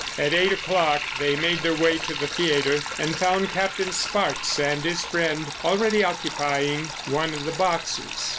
At eight o'clock they made their way to the theatre and found Captain Sparkes and his friend already occupying one of the boxes.